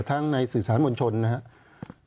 ทั้งในสื่อสารบนชนนะครับ